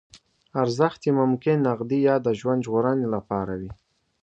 ارزښت یې ممکن نغدي یا د ژوند ژغورنې لپاره وي.